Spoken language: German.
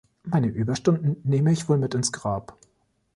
Meine Überstunden nehme ich wohl mit ins Grab.